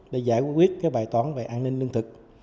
để giải quyết bài toán về an ninh nâng thực